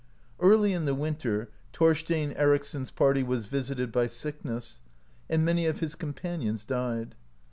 Early in the winter Thorstein Ericsson's party was vis ited by sickness, and many of his companions died.